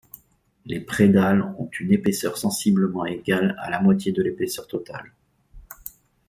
Les prédalles ont une épaisseur sensiblement égale à la moitié de l'épaisseur totale.